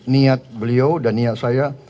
niat beliau dan niat saya